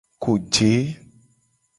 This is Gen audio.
Koje.